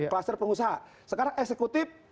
klaster pengusaha sekarang eksekutif